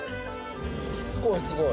すごい、すごい。